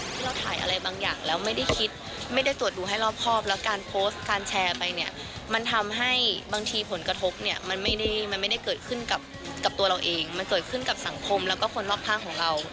ที่เราถ่ายอะไรบางอย่างแล้วไม่ได้คิดไม่ได้ตรวจดูให้รอบครอบแล้วการโพสต์การแชร์ไปเนี่ยมันทำให้บางทีผลกระทบเนี่ยมันไม่ได้มันไม่ได้เกิดขึ้นกับตัวเราเองมันเกิดขึ้นกับสังคมแล้วก็คนรอบข้างของเรา